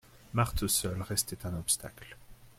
Marthe seule restait un obstacle.